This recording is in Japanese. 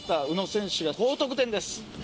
宇野選手が高得点です。